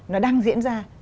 nó đang diễn ra